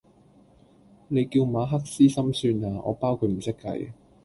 你叫馬克思心算啊，我包佢唔識計!